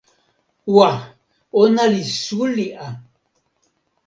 wa! ona li suli a!